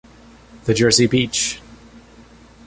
The Jersey beach!